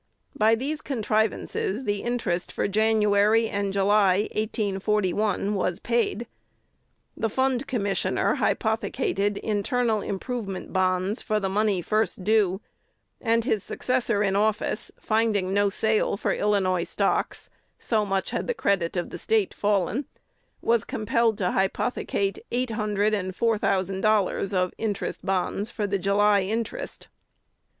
By these contrivances, the interest for January and July, 1841, was paid. The Fund Commissioner hypothecated internal improvement bonds for the money first due; and his successor in office, finding no sale for Illinois stocks, so much had the credit of the State fallen, was compelled to hypothecate eight hundred and four thousand dollars of interest bonds for the July interest.